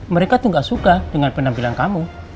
mereka tuh gak suka dengan penampilan kamu